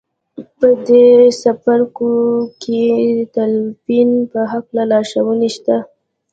په دې څپرکو کې د تلقین په هکله لارښوونې شته